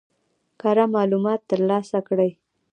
کره معلومات ترلاسه کړي.